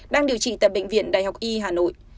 đang điều trị tại bệnh viện đại học y hà nội